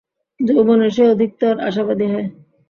যৌবনে সে অধিকতর আশাবাদী হয়।